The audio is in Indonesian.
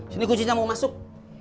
sini kuncinya mau masuk